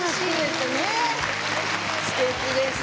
すてきです。